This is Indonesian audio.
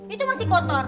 itu masih kotor